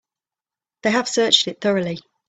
They have searched it thoroughly.